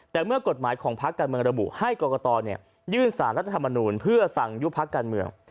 แต่เมื่อกฎหมายของพักการเมืองระบุให้กรกตยื่นสารรัฐธรรมนูลเพื่อสั่งยุบพักการเมือง